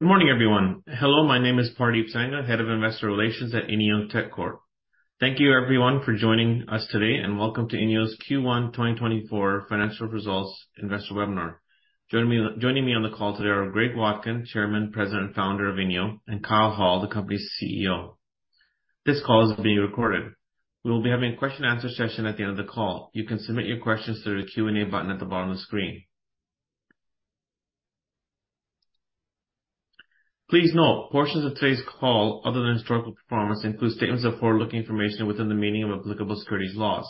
Good morning, everyone. Hello, my name is Pardeep Sangha, Head of Investor Relations at INEO Tech Corp. Thank you, everyone, for joining us today, and welcome to INEO's Q1 2024 financial results investor webinar. Joining me, joining me on the call today are Greg Watkin, Chairman, President, and Founder of INEO, and Kyle Hall, the company's CEO. This call is being recorded. We will be having a question and answer session at the end of the call. You can submit your questions through the Q&A button at the bottom of the screen. Please note, portions of today's call, other than historical performance, include statements of forward-looking information within the meaning of applicable securities laws.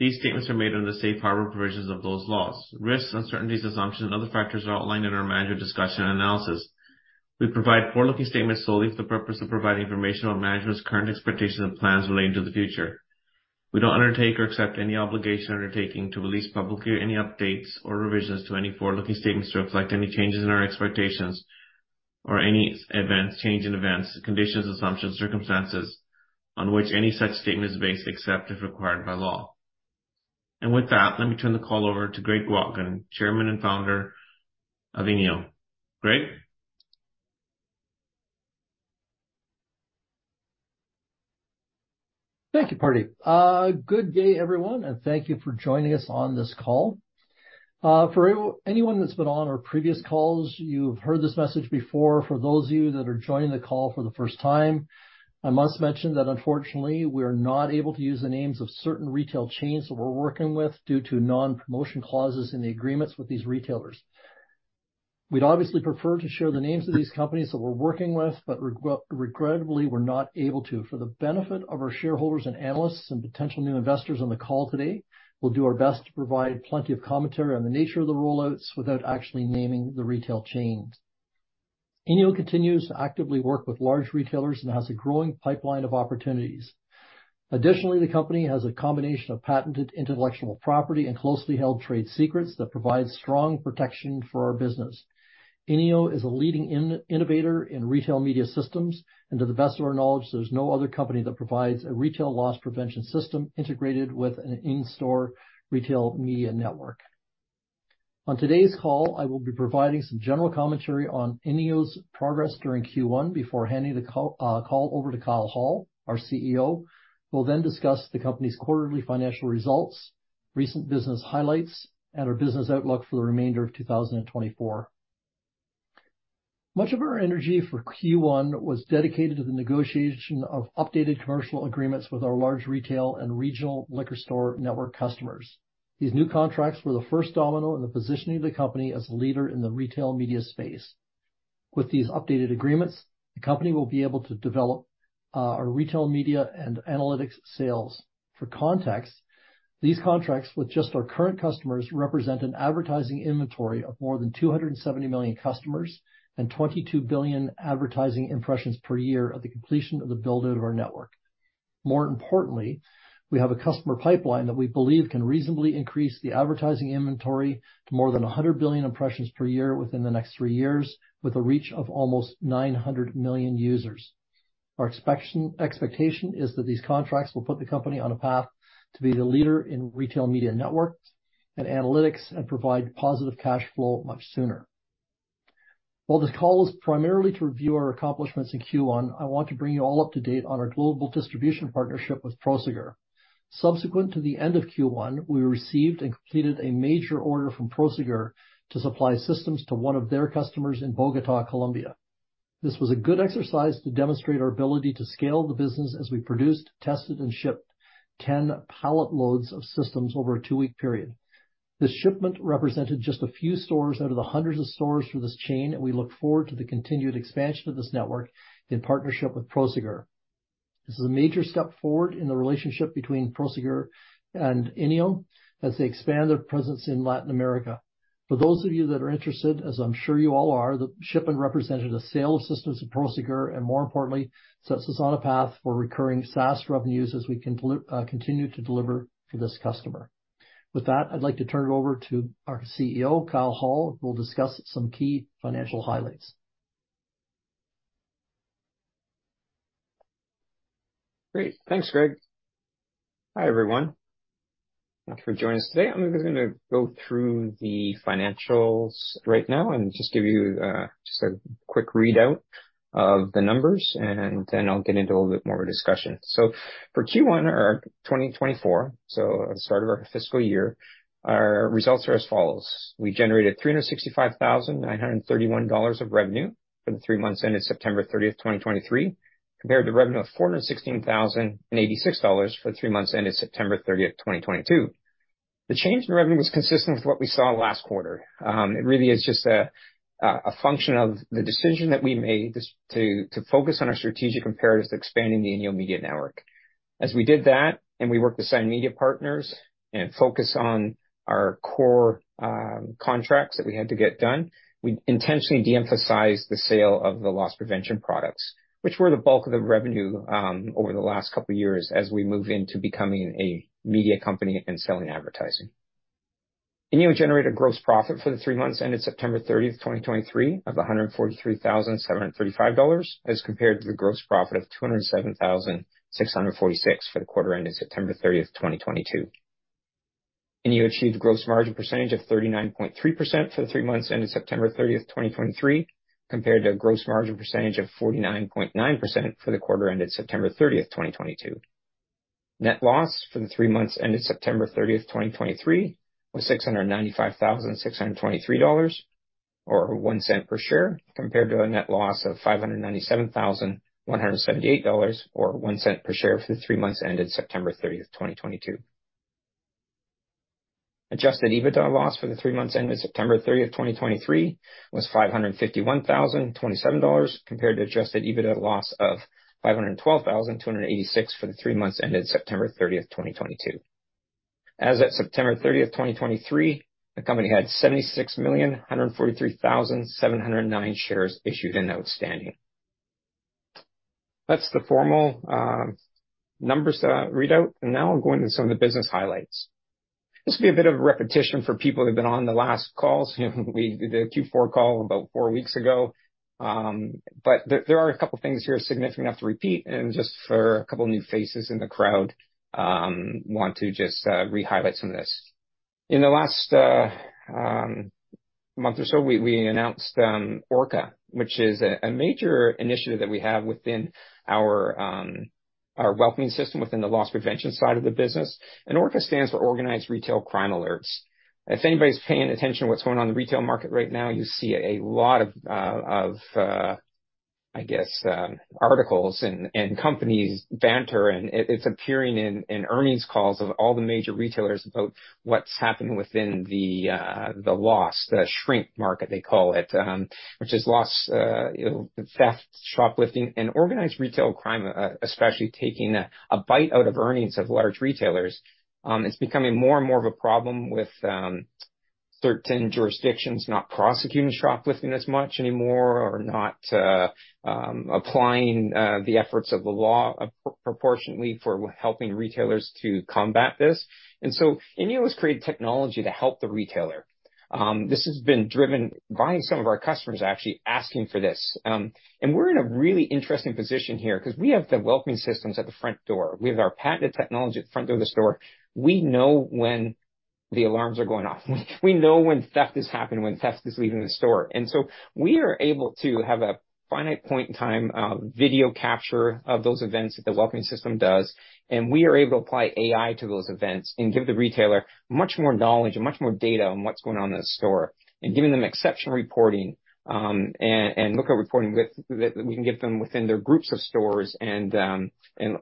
These statements are made under the safe harbor provisions of those laws. Risks, uncertainties, assumptions, and other factors are outlined in our management discussion and analysis. We provide forward-looking statements solely for the purpose of providing information on management's current expectations and plans relating to the future. We don't undertake or accept any obligation or undertaking to release publicly any updates or revisions to any forward-looking statements to reflect any changes in our expectations or any events, change in events, conditions, assumptions, circumstances on which any such statement is based, except if required by law. With that, let me turn the call over to Greg Watkin, Chairman and Founder of INEO. Greg? Thank you, Pardeep. Good day, everyone, and thank you for joining us on this call. For anyone that's been on our previous calls, you've heard this message before. For those of you that are joining the call for the first time, I must mention that unfortunately, we are not able to use the names of certain retail chains that we're working with due to non-promotion clauses in the agreements with these retailers. We'd obviously prefer to share the names of these companies that we're working with, but regrettably, we're not able to. For the benefit of our shareholders and analysts and potential new investors on the call today, we'll do our best to provide plenty of commentary on the nature of the rollouts without actually naming the retail chains. INEO continues to actively work with large retailers and has a growing pipeline of opportunities. Additionally, the company has a combination of patented intellectual property and closely held trade secrets that provide strong protection for our business. INEO is a leading innovator in retail media systems, and to the best of our knowledge, there's no other company that provides a retail loss prevention system integrated with an in-store retail media network. On today's call, I will be providing some general commentary on INEO's progress during Q1 before handing the call over to Kyle Hall, our CEO, who will then discuss the company's quarterly financial results, recent business highlights, and our business outlook for the remainder of 2024. Much of our energy for Q1 was dedicated to the negotiation of updated commercial agreements with our large retail and regional liquor store network customers. These new contracts were the first domino in the positioning of the company as a leader in the retail media space. With these updated agreements, the company will be able to develop our retail media and analytics sales. For context, these contracts with just our current customers represent an advertising inventory of more than 270 million customers and 22 billion advertising impressions per year at the completion of the build-out of our network. More importantly, we have a customer pipeline that we believe can reasonably increase the advertising inventory to more than 100 billion impressions per year within the next three years, with a reach of almost 900 million users. Our expectation is that these contracts will put the company on a path to be the leader in retail media networks and analytics and provide positive cash flow much sooner. While this call is primarily to review our accomplishments in Q1, I want to bring you all up to date on our global distribution partnership with Prosegur. Subsequent to the end of Q1, we received and completed a major order from Prosegur to supply systems to one of their customers in Bogotá, Colombia. This was a good exercise to demonstrate our ability to scale the business as we produced, tested, and shipped 10 pallet loads of systems over a two-week period. This shipment represented just a few stores out of the hundreds of stores for this chain, and we look forward to the continued expansion of this network in partnership with Prosegur. This is a major step forward in the relationship between Prosegur and INEO as they expand their presence in Latin America. For those of you that are interested, as I'm sure you all are, the shipment represented a sale of systems to Prosegur, and more importantly, sets us on a path for recurring SaaS revenues as we continue to deliver for this customer. With that, I'd like to turn it over to our CEO, Kyle Hall, who will discuss some key financial highlights. Great. Thanks, Greg. Hi, everyone. Thank you for joining us today. I'm just gonna go through the financials right now and just give you just a quick readout of the numbers, and then I'll get into a little bit more of a discussion. So for Q1 of 2024, so at the start of our fiscal year, our results are as follows: We generated 365,931 dollars of revenue for the three months ended September 30, 2023, compared to revenue of 416,086 dollars for the three months ended September 30, 2022. The change in revenue was consistent with what we saw last quarter. It really is just a function of the decision that we made just to focus on our strategic imperatives to expanding the INEO Media Network. As we did that, and we worked to sign media partners and focus on our core, contracts that we had to get done, we intentionally de-emphasized the sale of the loss prevention products, which were the bulk of the revenue, over the last couple of years as we move into becoming a media company and selling advertising. INEO generated gross profit for the three months, ended September 30, 2023, of 143,735 dollars, as compared to the gross profit of 207,646 for the quarter ending September 30, 2022. And you achieved gross margin percentage of 39.3% for the three months ended September 30, 2023, compared to a gross margin percentage of 49.9% for the quarter ended September 30, 2022. Net loss for the three months ended September 30, 2023, was 695,623 dollars, or 0.01 per share, compared to a net loss of 597,178 dollars, or 0.01 per share for the three months ended September 30, 2022. Adjusted EBITDA loss for the three months ended September 30, 2023, was 551,027 dollars, compared to adjusted EBITDA loss of 512,286 for the three months ended September 30, 2022. As at September 30, 2023, the company had 76,143,709 shares issued and outstanding. That's the formal numbers to read out, and now I'll go into some of the business highlights. This will be a bit of a repetition for people who've been on the last calls. You know, we did a Q4 call about four weeks ago, but there are a couple of things here significant enough to repeat, and just for a couple of new faces in the crowd, want to just re-highlight some of this. In the last month or so, we announced ORCA, which is a major initiative that we have within our welcoming system, within the loss prevention side of the business. And ORCA stands for Organized Retail Crime Alerts. If anybody's paying attention to what's going on in the retail market right now, you see a lot of, I guess, articles and companies banter, and it's appearing in earnings calls of all the major retailers about what's happening within the loss, the shrink market, they call it. Which is loss, you know, theft, shoplifting, and organized retail crime, especially taking a bite out of earnings of large retailers. It's becoming more and more of a problem with certain jurisdictions not prosecuting shoplifting as much anymore or not applying the efforts of the law proportionately for helping retailers to combat this. And so INEO's created technology to help the retailer. This has been driven by some of our customers actually asking for this. And we're in a really interesting position here because we have the welcoming systems at the front door. We have our patented technology at the front door of the store. We know when the alarms are going off. We know when theft is happening, when theft is leaving the store. And so we are able to have a finite point in time, video capture of those events that the welcoming system does, and we are able to apply AI to those events and give the retailer much more knowledge and much more data on what's going on in the store, and giving them exceptional reporting, and lookup reporting that we can give them within their groups of stores, and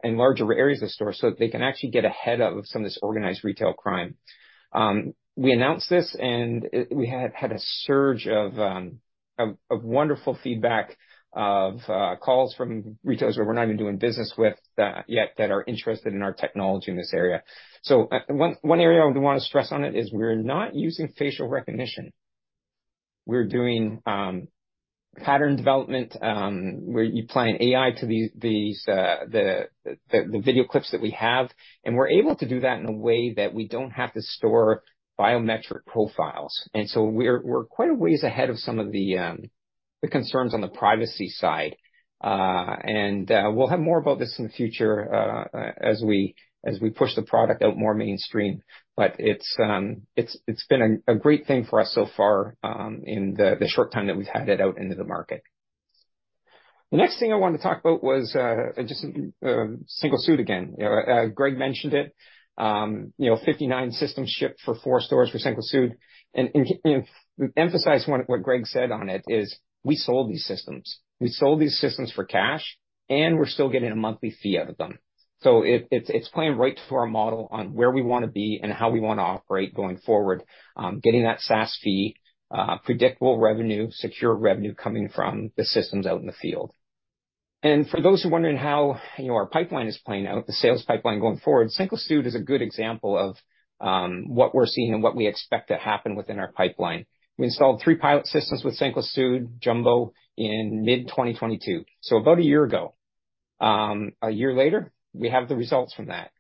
larger areas of stores, so that they can actually get ahead of some of this organized retail crime. We announced this, and we had a surge of wonderful feedback of calls from retailers that we're not even doing business with yet that are interested in our technology in this area. So one area we want to stress on it is we're not using facial recognition. We're doing pattern development, we're applying AI to these video clips that we have, and we're able to do that in a way that we don't have to store biometric profiles. And so we're quite a ways ahead of some of the concerns on the privacy side. And we'll have more about this in the future as we push the product out more mainstream. But it's been a great thing for us so far, in the short time that we've had it out into the market. The next thing I wanted to talk about was just Cencosud again. You know, Greg mentioned it, you know, 59 systems shipped for 4 stores for Cencosud. And you know, emphasize what Greg said on it is, we sold these systems. We sold these systems for cash, and we're still getting a monthly fee out of them. So it's playing right to our model on where we wanna be and how we wanna operate going forward. Getting that SaaS fee, predictable revenue, secure revenue coming from the systems out in the field. For those who are wondering how, you know, our pipeline is playing out, the sales pipeline going forward, Cencosud is a good example of what we're seeing and what we expect to happen within our pipeline. We installed three pilot systems with Cencosud Jumbo in mid-2022, so about a year ago. A year later, we have the results from that.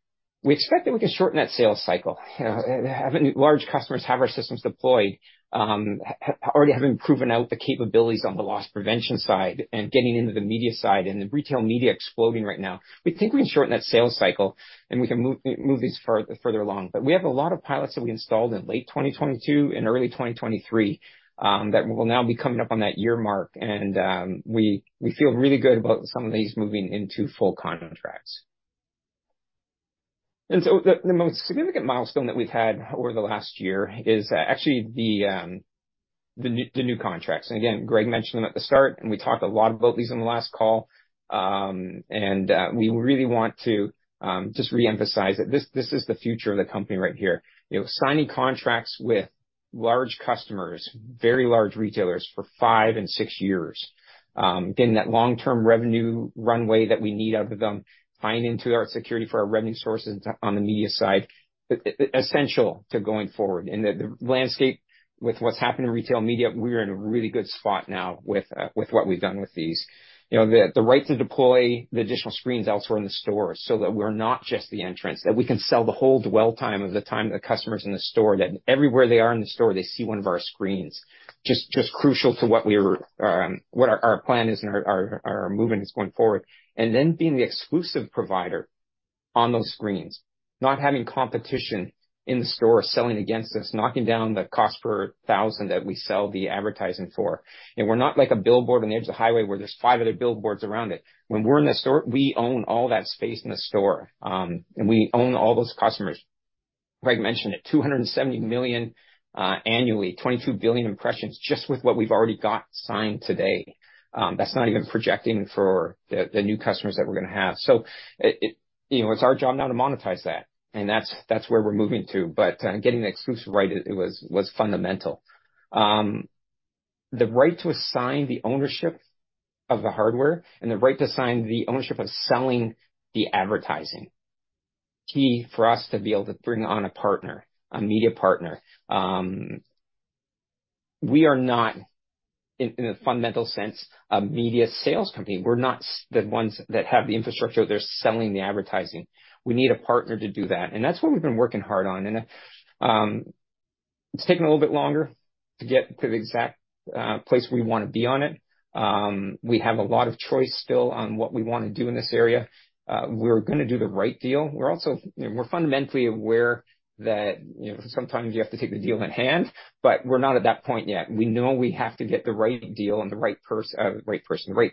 We expect that we can shorten that sales cycle. You know, having large customers have our systems deployed, already having proven out the capabilities on the loss prevention side and getting into the media side and the retail media exploding right now. We think we can shorten that sales cycle, and we can move these further along. But we have a lot of pilots that we installed in late 2022 and early 2023, that will now be coming up on that year mark, and we feel really good about some of these moving into full contracts. And so the most significant milestone that we've had over the last year is actually the new contracts. And again, Greg mentioned them at the start, and we talked a lot about these on the last call. And we really want to just reemphasize that this is the future of the company right here. You know, signing contracts with large customers, very large retailers, for five and six years, getting that long-term revenue runway that we need out of them, tying into our security for our revenue sources on the media side, essential to going forward. And the landscape with what's happened in retail media, we're in a really good spot now with what we've done with these. You know, the right to deploy the additional screens elsewhere in the store so that we're not just the entrance, that we can sell the whole dwell time of the time the customer's in the store, that everywhere they are in the store, they see one of our screens. Just crucial to what we're, what our plan is and our movement is going forward. And then being the exclusive provider on those screens, not having competition in the store, selling against us, knocking down the cost per thousand that we sell the advertising for. And we're not like a billboard on the edge of the highway where there's five other billboards around it. When we're in the store, we own all that space in the store, and we own all those customers. Greg mentioned it, 270 million annually, 22 billion impressions, just with what we've already got signed today. That's not even projecting for the new customers that we're gonna have. So it, you know, it's our job now to monetize that, and that's where we're moving to. But getting the exclusive right, it was fundamental. The right to assign the ownership of the hardware and the right to assign the ownership of selling the advertising, key for us to be able to bring on a partner, a media partner. We are not, in a fundamental sense, a media sales company. We're not the ones that have the infrastructure out there selling the advertising. We need a partner to do that, and that's what we've been working hard on, and it's taking a little bit longer to get to the exact place we wanna be on it. We have a lot of choice still on what we wanna do in this area. We're gonna do the right deal. We're also... We're fundamentally aware that, you know, sometimes you have to take the deal at hand, but we're not at that point yet. We know we have to get the right deal and the right person, the right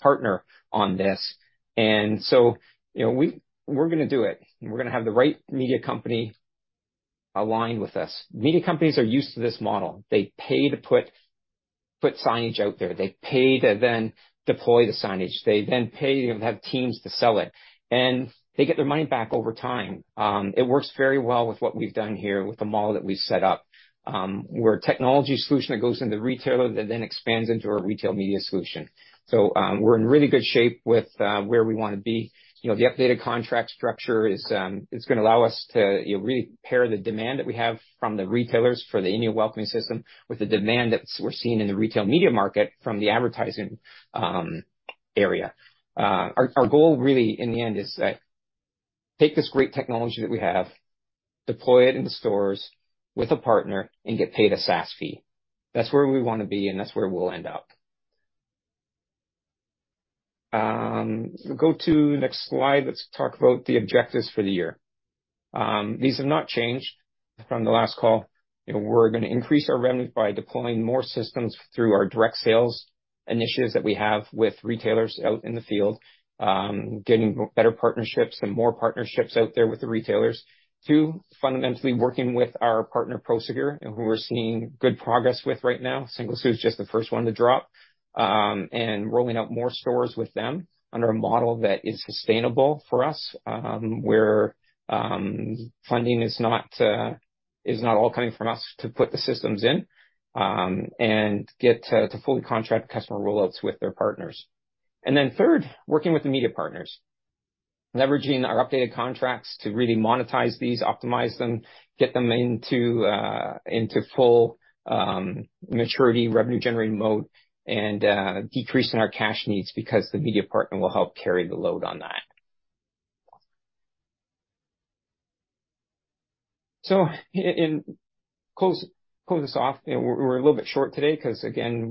partner on this. And so, you know, we're gonna do it, and we're gonna have the right media company aligned with us. Media companies are used to this model. They pay to put signage out there. They pay to then deploy the signage. They then pay and have teams to sell it, and they get their money back over time. It works very well with what we've done here, with the model that we set up. We're a technology solution that goes into the retailer, that then expands into a retail media solution. So, we're in really good shape with where we wanna be. You know, the updated contract structure is gonna allow us to, you know, really pair the demand that we have from the retailers for the in-store welcoming system, with the demand that we're seeing in the retail media market from the advertising area. Our goal, really, in the end, is to take this great technology that we have, deploy it in the stores with a partner, and get paid a SaaS fee. That's where we want to be, and that's where we'll end up. Go to the next slide. Let's talk about the objectives for the year. These have not changed from the last call. You know, we're gonna increase our revenue by deploying more systems through our direct sales initiatives that we have with retailers out in the field. Getting better partnerships and more partnerships out there with the retailers. Two, fundamentally working with our partner, Prosegur, and who we're seeing good progress with right now. Cencosud is just the first one to drop. And rolling out more stores with them under a model that is sustainable for us, where funding is not all coming from us to put the systems in, and get to fully contract customer rollouts with their partners. And then third, working with the media partners, leveraging our updated contracts to really monetize these, optimize them, get them into full maturity, revenue-generating mode, and decreasing our cash needs because the media partner will help carry the load on that. So, in closing, close this off, you know, we're a little bit short today because, again,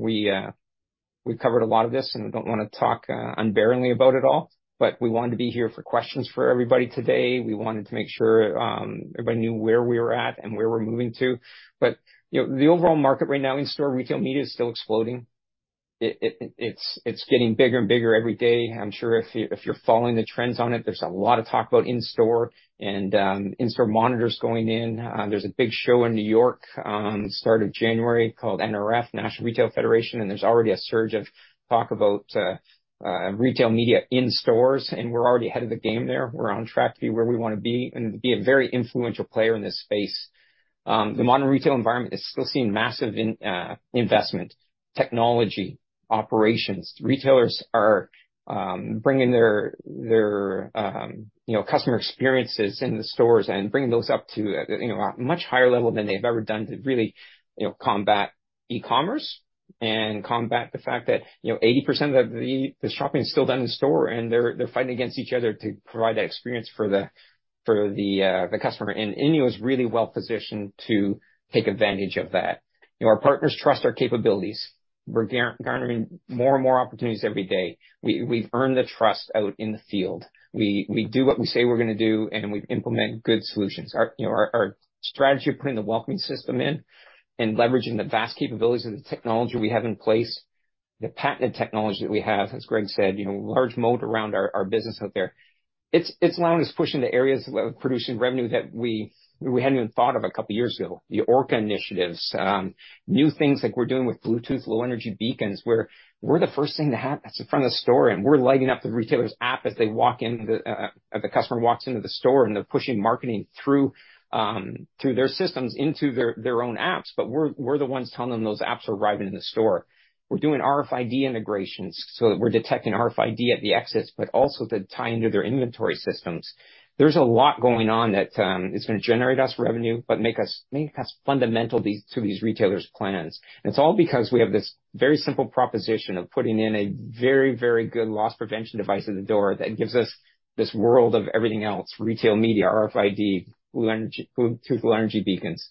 we've covered a lot of this, and we don't want to talk unbearably about it all, but we wanted to be here for questions for everybody today. We wanted to make sure everybody knew where we were at and where we're moving to. But, you know, the overall market right now in-store retail media is still exploding. It’s getting bigger and bigger every day. I'm sure if you, if you're following the trends on it, there's a lot of talk about in-store and, in-store monitors going in. There's a big show in New York, start of January, called NRF, National Retail Federation, and there's already a surge of talk about, retail media in stores, and we're already ahead of the game there. We're on track to be where we want to be and to be a very influential player in this space. The modern retail environment is still seeing massive investment in technology, operations. Retailers are bringing their, their, you know, customer experiences in the stores and bringing those up to, you know, a much higher level than they've ever done to really, you know, combat e-commerce and combat the fact that, you know, 80% of the, the shopping is still done in store, and they're, they're fighting against each other to provide that experience for the, for the, the customer, and INEO is really well positioned to take advantage of that. You know, our partners trust our capabilities. We're garnering more and more opportunities every day. We, we've earned the trust out in the field. We, we do what we say we're gonna do, and we implement good solutions. You know, our strategy of putting the welcoming system in and leveraging the vast capabilities of the technology we have in place, the patented technology that we have, as Greg said, you know, large moat around our business out there. It's allowing us to push into areas of producing revenue that we hadn't even thought of a couple of years ago. The ORCA initiatives, new things like we're doing with Bluetooth Low Energy beacons, where we're the first thing that's in front of the store, and we're lighting up the retailer's app as the customer walks into the store, and they're pushing marketing through their systems into their own apps, but we're the ones telling them those apps are arriving in the store. We're doing RFID integrations so that we're detecting RFID at the exits, but also to tie into their inventory systems. There's a lot going on that, is gonna generate us revenue, but make us fundamental to these retailers' plans. It's all because we have this very simple proposition of putting in a very, very good loss prevention device in the door that gives us this world of everything else, retail media, RFID, Bluetooth Low Energy beacons....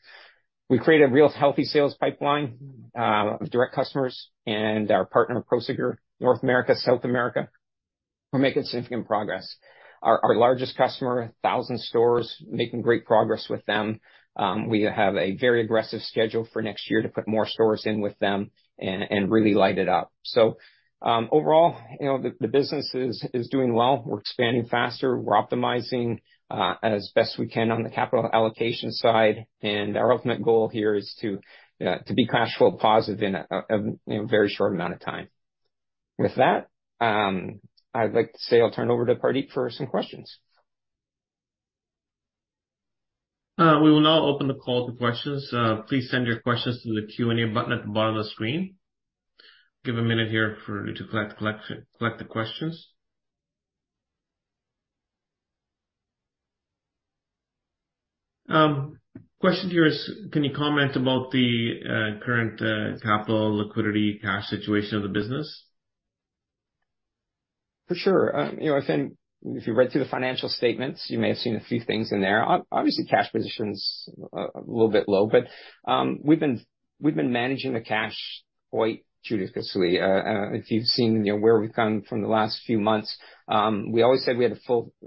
We've created a real healthy sales pipeline, of direct customers and our partner, Prosegur, North America, South America. We're making significant progress. Our largest customer, 1,000 stores, making great progress with them. We have a very aggressive schedule for next year to put more stores in with them and really light it up. So, overall, you know, the business is doing well. We're expanding faster, we're optimizing as best we can on the capital allocation side, and our ultimate goal here is to be cash flow positive in a you know very short amount of time. With that, I'd like to say I'll turn it over to Pardeep for some questions. We will now open the call to questions. Please send your questions through the Q&A button at the bottom of the screen. Give a minute here for me to collect the questions. Question here is: Can you comment about the current capital liquidity cash situation of the business? For sure. You know, I think if you read through the financial statements, you may have seen a few things in there. Obviously, cash position's a little bit low, but we've been managing the cash quite judiciously. If you've seen, you know, where we've come from in the last few months, we always said we had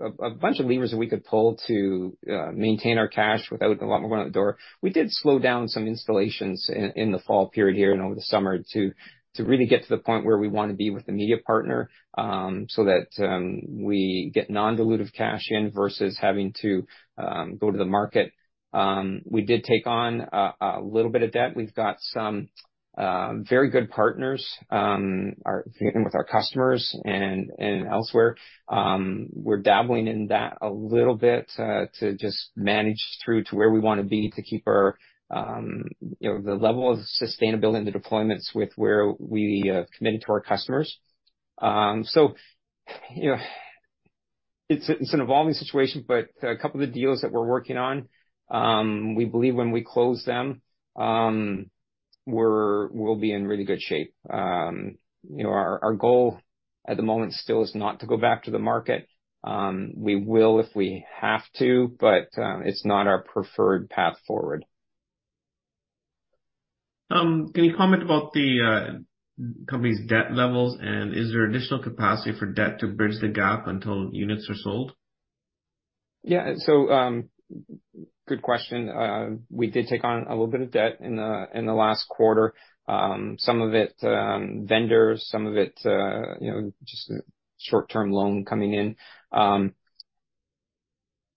a bunch of levers that we could pull to maintain our cash without a lot more out the door. We did slow down some installations in the fall period here and over the summer to really get to the point where we want to be with the media partner, so that we get non-dilutive cash in versus having to go to the market. We did take on a little bit of debt. We've got some very good partners with our customers and elsewhere. We're dabbling in that a little bit to just manage through to where we wanna be to keep our you know the level of sustainability and the deployments with where we committed to our customers. So, you know, it's an evolving situation, but a couple of the deals that we're working on, we believe when we close them, we'll be in really good shape. You know, our goal at the moment still is not to go back to the market. We will if we have to, but it's not our preferred path forward. Can you comment about the company's debt levels, and is there additional capacity for debt to bridge the gap until units are sold? Yeah. So, good question. We did take on a little bit of debt in the last quarter. Some of it, vendors, some of it, you know, just short-term loan coming in.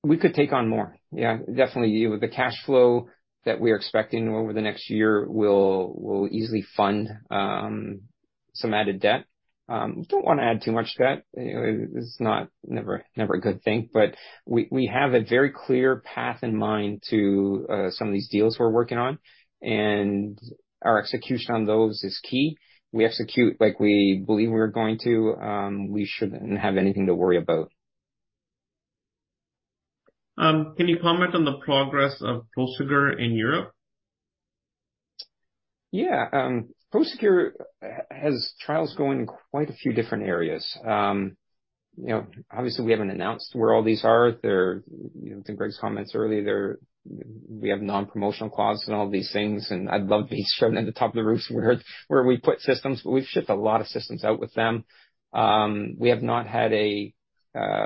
We could take on more. Yeah, definitely. The cash flow that we're expecting over the next year will easily fund some added debt. We don't want to add too much debt. You know, it's not never a good thing, but we have a very clear path in mind to some of these deals we're working on, and our execution on those is key. We execute like we believe we're going to, we shouldn't have anything to worry about. Can you comment on the progress of Prosegur in Europe? Yeah, Prosegur has trials going in quite a few different areas. You know, obviously, we haven't announced where all these are. In Greg's comments earlier, we have non-promotional clause and all these things, and I'd love to be shouting at the top of the roofs where we put systems, but we've shipped a lot of systems out with them. We have not had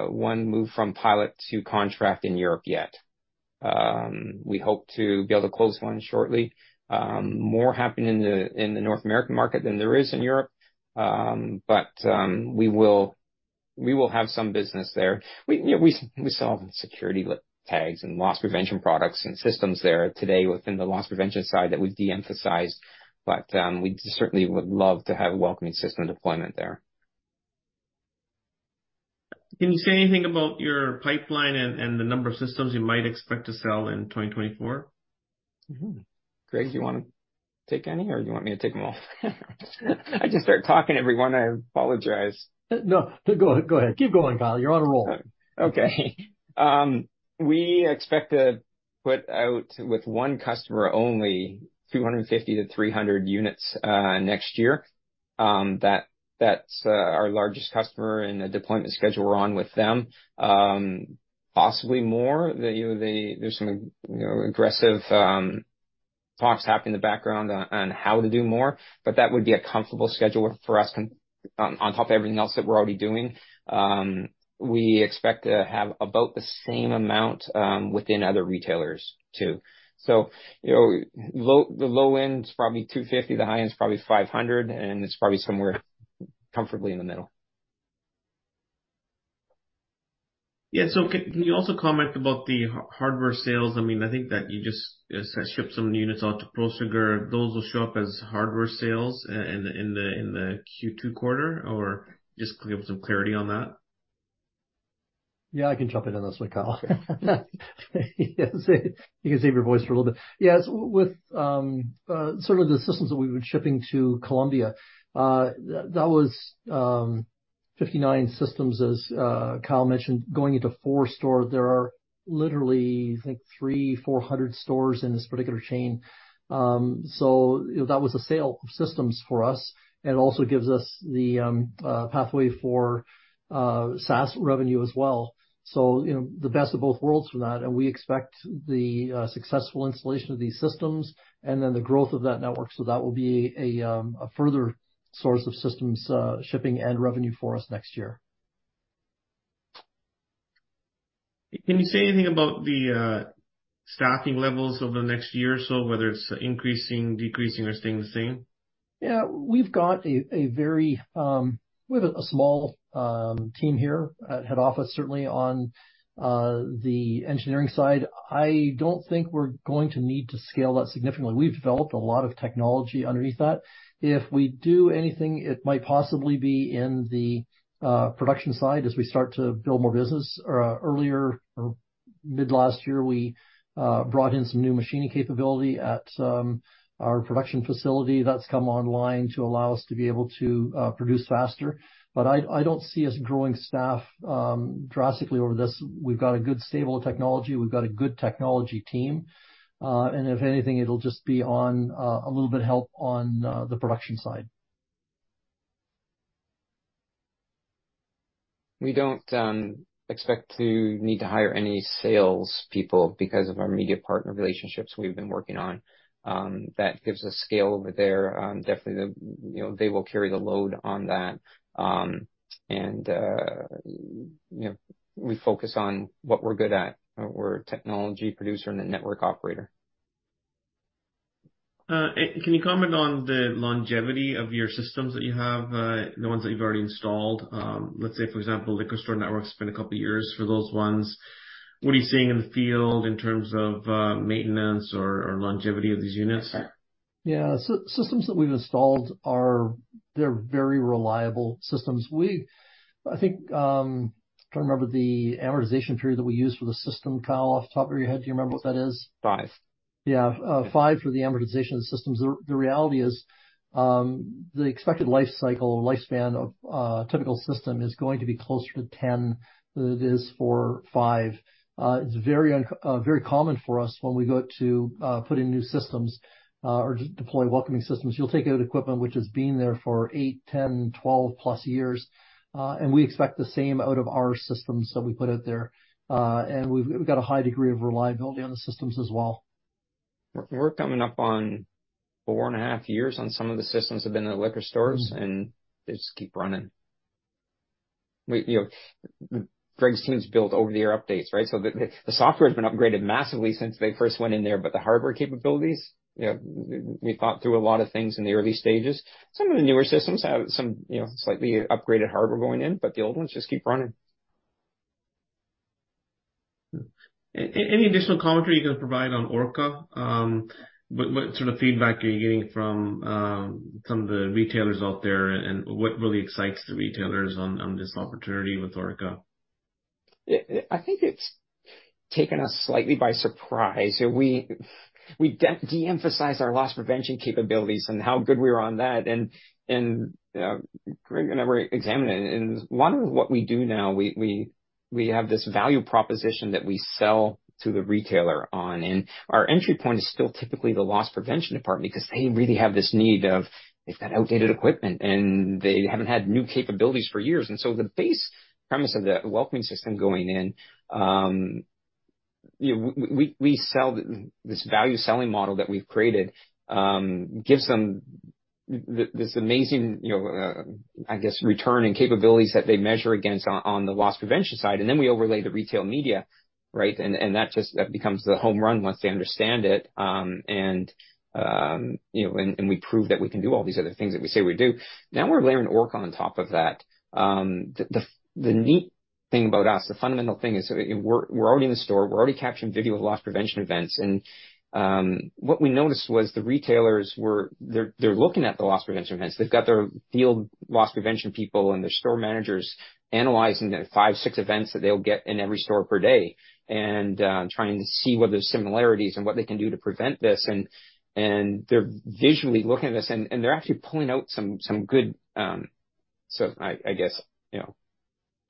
one move from pilot to contract in Europe yet. We hope to be able to close one shortly. More happening in the North American market than there is in Europe. But we will have some business there. We, you know, we sell security tags and loss prevention products and systems there today within the loss prevention side that we've de-emphasized, but we certainly would love to have a Welcoming System deployment there. Can you say anything about your pipeline and the number of systems you might expect to sell in 2024? Mm-hmm. Greg, you want to take any or you want me to take them all? I just start talking, everyone, I apologize. No, go, go ahead. Keep going, Kyle. You're on a roll. Okay. We expect to put out with one customer only, 250-300 units next year. That, that's our largest customer and the deployment schedule we're on with them. Possibly more, you know, there's some, you know, aggressive talks happening in the background on how to do more, but that would be a comfortable schedule for us on top of everything else that we're already doing. We expect to have about the same amount within other retailers, too. So, you know, the low end is probably 250, the high end is probably 500, and it's probably somewhere comfortably in the middle. Yeah. So can you also comment about the hardware sales? I mean, I think that you just shipped some units out to Prosegur. Those will show up as hardware sales in the Q2 quarter, or just give some clarity on that. Yeah, I can jump in on this one, Kyle. You can save your voice for a little bit. Yes, with sort of the systems that we were shipping to Colombia, that was 59 systems, as Kyle mentioned, going into 4 stores. There are literally, I think, 300-400 stores in this particular chain. So that was a sale of systems for us, and it also gives us the pathway for SaaS revenue as well. So, you know, the best of both worlds for that, and we expect the successful installation of these systems and then the growth of that network. So that will be a source of systems shipping and revenue for us next year. Can you say anything about the staffing levels over the next year or so, whether it's increasing, decreasing, or staying the same? Yeah, we've got a very. We have a small team here at head office, certainly on the engineering side. I don't think we're going to need to scale that significantly. We've developed a lot of technology underneath that. If we do anything, it might possibly be in the production side as we start to build more business. Earlier or mid last year, we brought in some new machining capability at our production facility. That's come online to allow us to be able to produce faster. But I don't see us growing staff drastically over this. We've got a good, stable technology. We've got a good technology team, and if anything, it'll just be on a little bit of help on the production side. We don't expect to need to hire any sales people because of our media partner relationships we've been working on. That gives us scale over there. Definitely, you know, they will carry the load on that. And, you know, we focus on what we're good at. We're a technology producer and a network operator. Can you comment on the longevity of your systems that you have, the ones that you've already installed? Let's say, for example, Liquor Store Network, it's been a couple of years for those ones. What are you seeing in the field in terms of maintenance or longevity of these units? Yeah. So systems that we've installed are, they're very reliable systems. We, I think, trying to remember the amortization period that we use for the system, Kyle, off the top of your head, do you remember what that is? Five. Yeah, five for the amortization of the systems. The reality is, the expected life cycle or lifespan of a typical system is going to be closer to 10 than it is for 5. It's very common for us when we go to put in new systems or deploy welcoming systems. You'll take out equipment which has been there for eight, 10, 12+ years, and we expect the same out of our systems that we put out there. And we've got a high degree of reliability on the systems as well. We're coming up on 4.5 years on some of the systems have been in the liquor stores, and they just keep running. We, you know, Greg's team's built over-the-air updates, right? So the software has been upgraded massively since they first went in there, but the hardware capabilities, you know, we thought through a lot of things in the early stages. Some of the newer systems have some, you know, slightly upgraded hardware going in, but the old ones just keep running. Any additional commentary you can provide on ORCA? What sort of feedback are you getting from some of the retailers out there, and what really excites the retailers on this opportunity with ORCA? I think it's taken us slightly by surprise. So we deemphasized our loss prevention capabilities and how good we are on that, and Greg and I were examining it, and a lot of what we do now, we have this value proposition that we sell to the retailer on. And our entry point is still typically the loss prevention department, because they really have this need of, they've got outdated equipment, and they haven't had new capabilities for years. And so the base premise of the welcoming system going in, you know, we sell this value-selling model that we've created, gives them this amazing, you know, I guess, return and capabilities that they measure against on the loss prevention side, and then we overlay the retail media, right? That becomes the home run once they understand it, you know, and we prove that we can do all these other things that we say we do. Now, we're layering ORCA on top of that. The neat thing about us, the fundamental thing is we're already in the store. We're already capturing video of loss prevention events, and what we noticed was the retailers were. They're looking at the loss prevention events. They've got their field loss prevention people and their store managers analyzing the five, six events that they'll get in every store per day, and trying to see whether there's similarities and what they can do to prevent this. They're visually looking at this, and they're actually pulling out some good, so I guess, you know,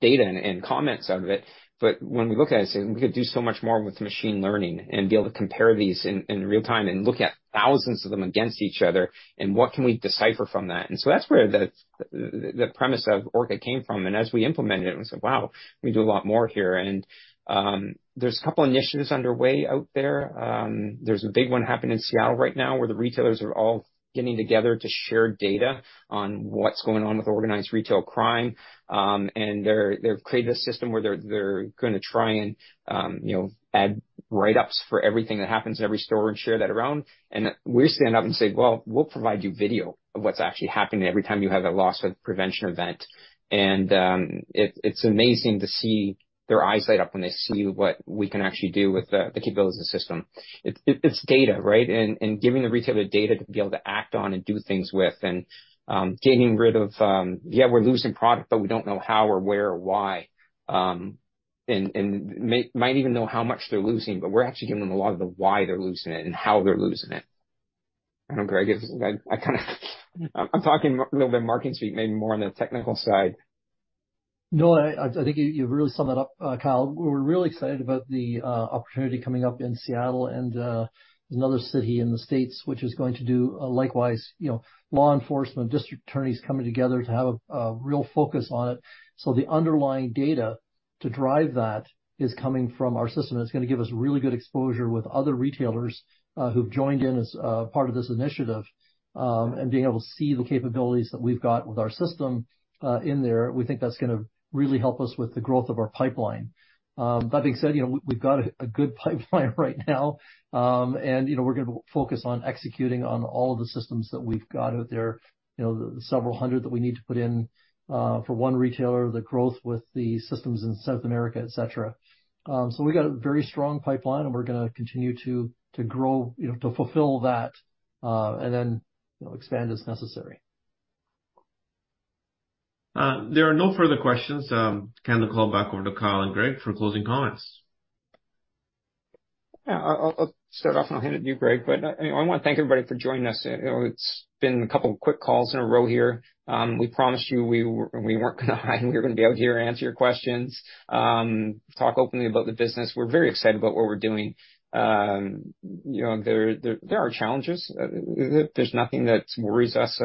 data and comments out of it. But when we look at it, we could do so much more with machine learning and be able to compare these in real time and look at thousands of them against each other, and what can we decipher from that? So that's where the premise of ORCA came from, and as we implemented it, we said: Wow, we can do a lot more here. And there's a couple initiatives underway out there. There's a big one happening in Seattle right now, where the retailers are all getting together to share data on what's going on with organized retail crime. They've created a system where they're gonna try and, you know, add write-ups for everything that happens in every store and share that around. And we stand up and say: Well, we'll provide you video of what's actually happening every time you have a loss prevention event. And it's amazing to see their eyes light up when they see what we can actually do with the capabilities of the system. It's data, right? And giving the retailer data to be able to act on and do things with, and getting rid of, yeah, we're losing product, but we don't know how or where or why, and might even know how much they're losing, but we're actually giving them a lot of the why they're losing it and how they're losing it. I don't know, Greg. I guess I... I kind of... I'm talking a little bit marketing speak, maybe more on the technical side. No, I think you really sum it up, Kyle. We're really excited about the opportunity coming up in Seattle and another city in the States, which is going to do likewise, you know, law enforcement, district attorneys coming together to have a real focus on it. So the underlying data to drive that is coming from our system, and it's gonna give us really good exposure with other retailers who've joined in as part of this initiative. And being able to see the capabilities that we've got with our system in there, we think that's gonna really help us with the growth of our pipeline. That being said, you know, we've got a good pipeline right now. And, you know, we're gonna focus on executing on all the systems that we've got out there, you know, the several hundred that we need to put in, for one retailer, the growth with the systems in South America, et cetera. So we got a very strong pipeline, and we're gonna continue to grow, you know, to fulfill that, and then, you know, expand as necessary. There are no further questions. Hand the call back over to Kyle and Greg for closing comments. Yeah. I'll start off, and I'll hand it to you, Greg. But, you know, I wanna thank everybody for joining us. You know, it's been a couple quick calls in a row here. We promised you we weren't gonna hide. We were gonna be out here, answer your questions, talk openly about the business. We're very excited about what we're doing. You know, there are challenges. There's nothing that worries us,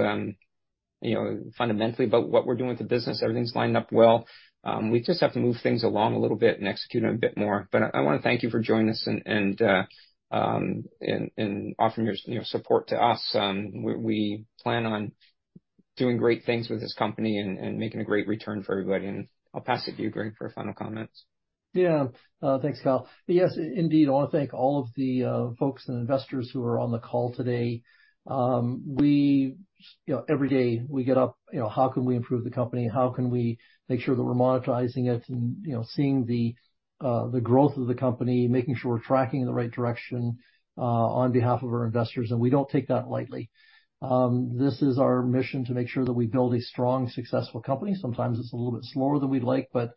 you know, fundamentally about what we're doing with the business. Everything's lined up well. We just have to move things along a little bit and execute them a bit more. But I wanna thank you for joining us and offering your, you know, support to us. We plan on doing great things with this company and making a great return for everybody. I'll pass it to you, Greg, for final comments. Yeah. Thanks, Kyle. But yes, indeed, I wanna thank all of the folks and investors who are on the call today. You know, every day we get up, you know, how can we improve the company? How can we make sure that we're monetizing it and, you know, seeing the growth of the company, making sure we're tracking in the right direction on behalf of our investors, and we don't take that lightly. This is our mission to make sure that we build a strong, successful company. Sometimes it's a little bit slower than we'd like, but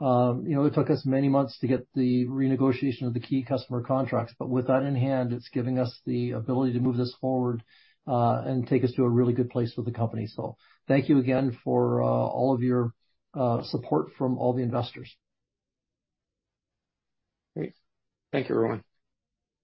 you know, it took us many months to get the renegotiation of the key customer contracts. But with that in hand, it's giving us the ability to move this forward and take us to a really good place with the company. Thank you again for all of your support from all the investors. Great. Thank you, everyone.